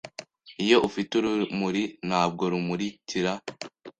Iyo ufite urumuri ntabwo rumurikira